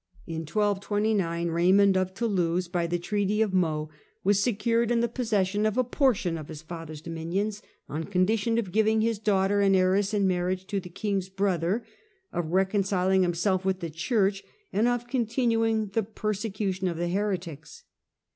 In 1229 Eaymond of Toulouse, by the Treaty of Meaux, was secured in the possession of a portion of his father's dominions, on condition of giving his daughter and heiress in marriage to the king's brother, of reconciling himself with the Church, and of continuing the persecution of the heretics.